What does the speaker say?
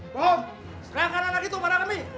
bang serangkan anak itu para kami